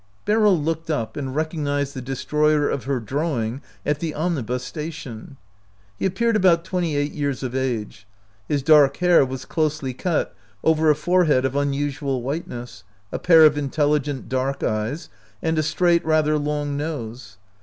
Beryl looked up, and recognized the destroyer of her drawing at the omnibus station. He appeared about twenty eight years of age. His dark hair was closely cut over a forehead of unusual whiteness, a pair of intelligent dark eyes, and a straight, rather long nose.